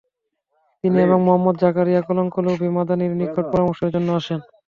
তিনি এবং মুহাম্মদ জাকারিয়া কান্ধলভি মাদানির নিকট পরামর্শের জন্য আসেন।